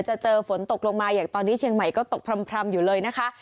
เจอฝนตกลงมาอย่างตอนนี้เชียงใหม่ก็ตกพร่ำอยู่เลยนะคะ